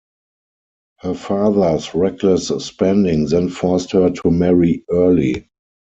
Her father's reckless spending then forced her to marry early.